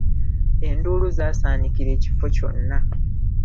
Enduulu zaasaanikira ekifo kyonna.